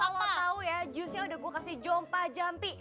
kalau lo tau ya jusnya udah gue kasih jompa jampi